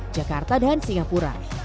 jakarta dan singapura